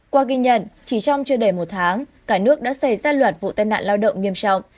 qua ghi nhận chỉ trong chưa đầy một tháng cả nước đã xảy ra loạt vụ tai nạn lao động nghiêm trọng